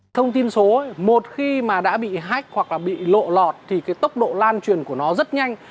thông tin số một khi mà đã bị hách hoặc là bị lộ lọt thì cái tốc độ lan truyền của nó rất nhanh